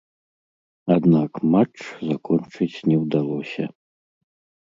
Аднак матч закончыць не ўдалося.